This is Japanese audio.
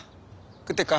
食ってくか？